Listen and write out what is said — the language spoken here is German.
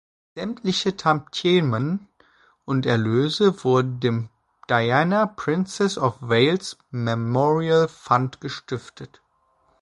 Sämtliche Tantiemen und Erlöse wurden dem Diana Princess of Wales Memorial Fund gestiftet.